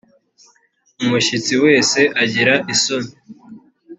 umushyitsi wese agira isoni.